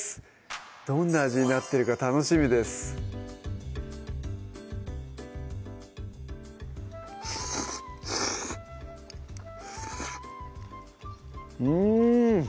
どんな味になってるか楽しみですうん！